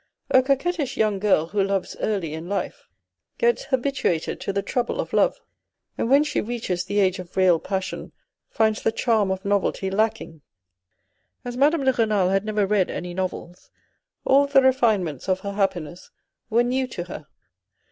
A coquettish young girl, who loves early in life, gets habituated to the trouble of love, and when she reaches the age of real passion, finds the charm of novelty lacking. As Madame de Renal had never read any novels, all the refinements of her happiness were new to her.